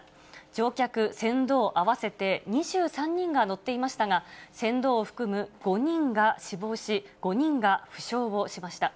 乗客、船頭合わせて２３人が乗っていましたが、船頭を含む５人が死亡し、５人が負傷をしました。